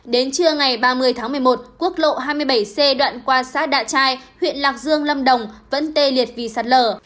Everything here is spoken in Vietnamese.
đến trưa ngày ba mươi tháng một mươi một quốc lộ hai mươi bảy c đoạn qua xã đạ trai huyện lạc dương lâm đồng vẫn tê liệt vì sạt lở